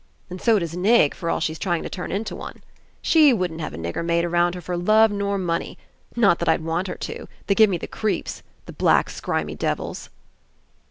And so does Nig, for all she's try ing to turn Into one. She wouldn't have a nigger 69 PASSING maid around her for love nor money. Not that I'd want her to. They give me the creeps. The black scrlmy devils.''